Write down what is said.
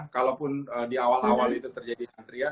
kalaupun di awal awal itu terjadi antrian